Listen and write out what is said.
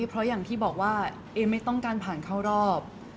เพราะอย่างที่บอกว่าเอมไม่ต้องการผ่านเข้ารอบ